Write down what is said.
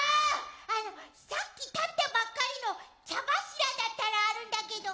あのさっき立ったばっかりの茶柱だったらあるんだけど食べる？